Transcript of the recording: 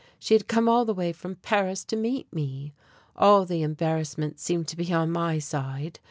She had come all the way from Paris to meet me! All the embarrassment seemed to be on my side.